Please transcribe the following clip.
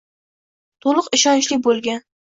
to‘liq, ishonchli bo‘lgan